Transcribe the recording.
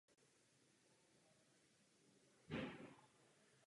Toto je však jen jeden aspekt této zprávy.